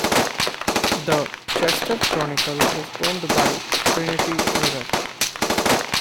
The "Chester Chronicle" is owned by Trinity Mirror.